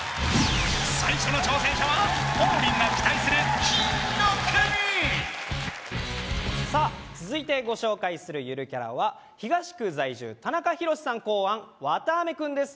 最初の挑戦者は王林が期待する金の国さあ続いてご紹介するゆるキャラは東区在住タナカヒロシさん考案わたあめ君です